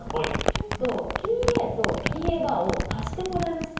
ちょっとＰとＰを足してもらえますか？